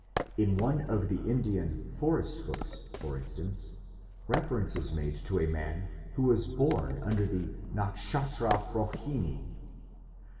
In one of the Indian "Forest Books", for instance, reference is made to a man who was "born under the Nakshatra Rohini